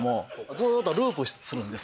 ずーっとループするんです。